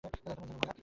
তোমরা জানো, ভায়া।